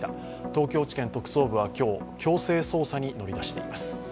東京地検特捜部は今日、強制捜査に乗り出しています。